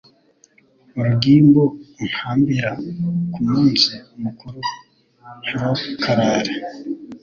urugimbu untambira ku munsi mukuru ntirukarare